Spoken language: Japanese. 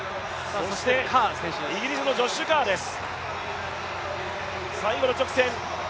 そしてイギリスのジョッシュ・カーです。